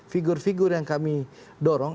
figur figur yang kami dorong